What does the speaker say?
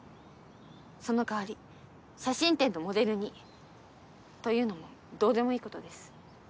その代わり写真展のモデルにというのもどうでもいいことです